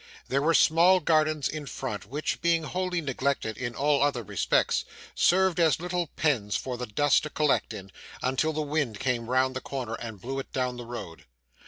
There were small gardens in front which, being wholly neglected in all other respects, served as little pens for the dust to collect in, until the wind came round the corner and blew it down the road.